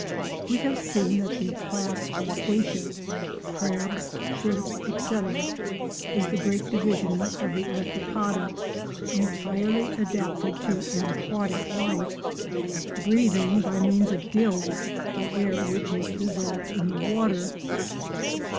We have seen that the class Crustacea (crabs, shrimps, etc.) is the great division of the Arthropoda entirely adapted to an aquatic life, breathing, by means of gills, the air which is dissolved in the water.